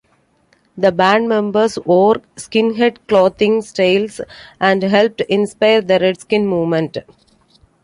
The band members wore skinhead clothing styles and helped inspire the redskin movement.